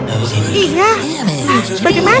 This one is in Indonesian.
oh ya ampun